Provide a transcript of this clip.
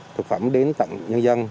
thực phẩm đến tận nhân dân